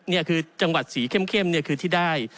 นี่คือจังหวัดสีเข้มคือที่ได้